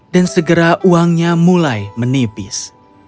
dan segera uangnya mulai menipis